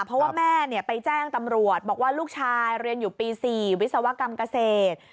เพราะว่าแม่ไปแจ้งตำรวจบอกว่าลูกชายเรียนอยู่ปี๔วิศวกรรมเกษตร